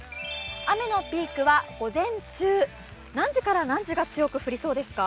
雨のピークは午前中、何時から何時が強く降りそうですか。